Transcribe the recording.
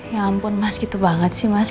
ya ampun mas gitu banget sih mas